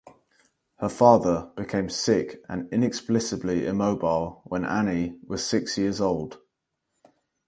Her father became sick and inexplicably immobile when Annie was six years old.